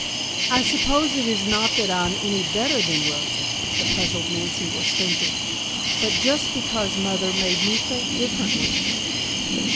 "I suppose it is not that I'm any better than Rosa," the puzzled Nancy was thinking, "but just because mother made me think differently."